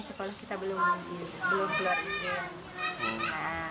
sekolah kita belum keluar